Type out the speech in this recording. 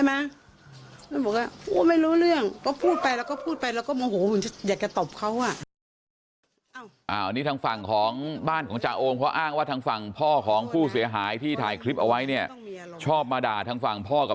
มึงอายุเท่าไหร่แล้วมึงจะมาเตะกูเนี่ยได้ไหม